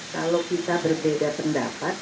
kalau kita berbeda pendapat